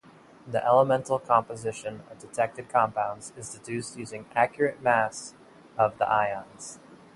Then elemental composition of detected compounds is deduced using accurate mass of the ions.